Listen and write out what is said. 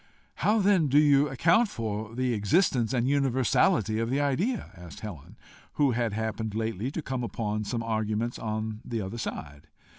"How then do you account for the existence and universality of the idea?" asked Helen, who had happened lately to come upon some arguments on the other side.